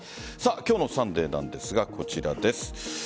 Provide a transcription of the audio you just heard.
今日の「サンデー」なんですがこちらです。